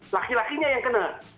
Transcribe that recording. laki lakinya yang kena